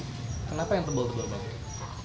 kenapa yang tebal tebal bang